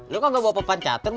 lu kok gak bawa pepan cateng